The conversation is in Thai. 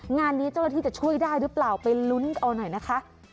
งานนี้เจ้าหน้าที่จะช่วยได้รึเปล่าไปลุ้นกันให้ดูนะคะ